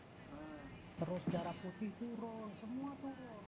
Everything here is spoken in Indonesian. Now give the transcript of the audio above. terus darah putih turun semua turun